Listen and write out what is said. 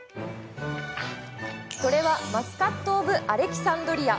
それはマスカット・オブ・アレキサンドリア。